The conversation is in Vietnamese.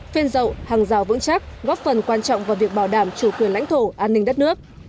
phên rậu hàng rào vững chắc góp phần quan trọng vào việc bảo đảm chủ quyền lãnh thổ an ninh đất nước